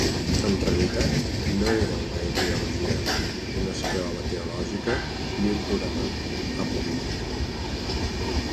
En realitat no era una ideologia, una escola teològica ni un programa a polític.